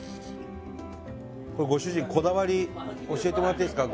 これご主人こだわり教えてもらっていいですか？